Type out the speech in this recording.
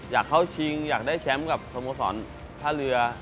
อยากเข้าชิงอยากได้แชมป์กับสโมสรท่าเรือ